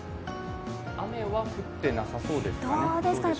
雨は降ってなさそうですかね。